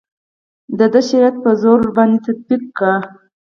د ده شریعت په زور ورباندې تطبیق کړي.